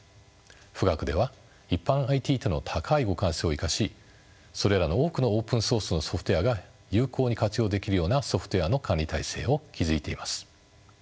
富岳では一般ＩＴとの高い互換性を生かしそれらの多くのオープンソースのソフトウエアが有効に活用できるようなソフトウエアの管理体制を築いています。